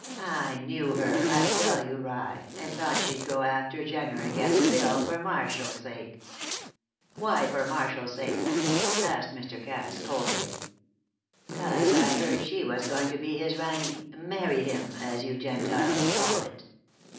I knew her, I tell you rye and thought she go after Jenner and get that bill for Marshall's sake." "Why for Marshall's sake?" asked Mr. Cass, coldly. "'Cause I heard she was going to be his rani marry him, as you Gentiles call it.